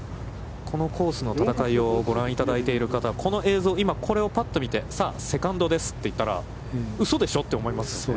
このコースの戦いをご覧いただいている方、この映像、今これをぱっと見て、さあ、セカンドですと言ったら、うそでしょう？って思いますよね。